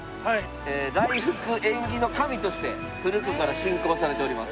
来福縁起の神として古くから信仰されております。